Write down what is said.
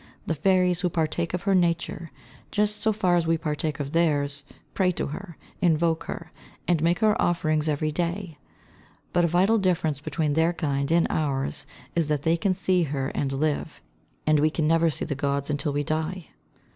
The fairies, who partake of her nature just so far as we partake of theirs, pray to her, invoke her, and make her offerings every day. But a vital difference between their kind and ours is that they can see her and live; and we never see the Gods until we die.